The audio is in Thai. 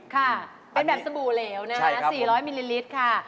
ค่ะเป็นแบบสบู่เหลวนะคะ๔๐๐มิลลิลิตรค่ะ